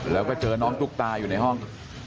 แล้วก็เจอน้องตุ๊กตาอยู่ในห้อง